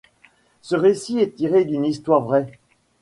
Ce récit est tiré d'une histoire vraie.